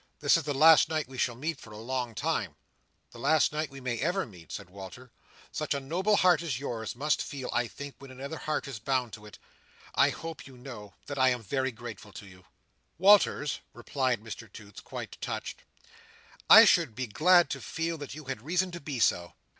"This is the last night we shall meet for a long time—the last night we may ever meet," said Walter. "Such a noble heart as yours, must feel, I think, when another heart is bound to it. I hope you know that I am very grateful to you?" "Walters," replied Mr Toots, quite touched, "I should be glad to feel that you had reason to be so."